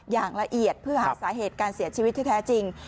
อย่างละเอียดเพื่อหาสาเหตุการเสียชีวิตที่แท้จริง